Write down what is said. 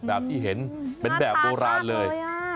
แบบที่เห็นเป็นแบบโบราณเลย